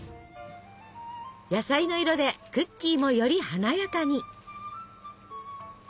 野菜の色でクッキーもより華やかに。